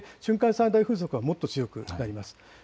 最大風速はもっと強くなります。